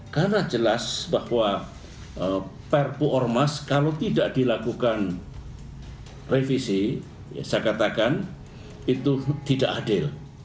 karena jelas bahwa perpu ormas kalau tidak dilakukan revisi saya katakan itu tidak adil